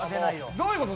どういうこと？